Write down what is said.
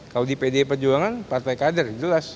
kalau di pdi perjuangan partai kader jelas